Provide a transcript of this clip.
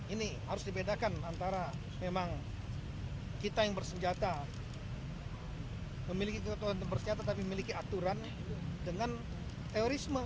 ini harus dibedakan antara memang kita yang bersenjata memiliki kekuatan untuk bersenjata tapi memiliki aturan dengan terorisme